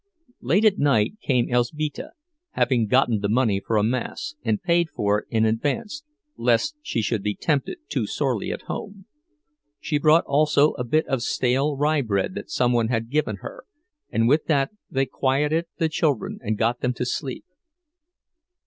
Late at night came Elzbieta, having gotten the money for a mass, and paid for it in advance, lest she should be tempted too sorely at home. She brought also a bit of stale rye bread that some one had given her, and with that they quieted the children and got them to sleep.